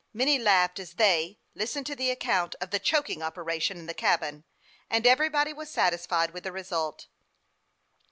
Many laughed as they listened to the account of the choking opera tion in the cabin, and everybody was satisfied with the result.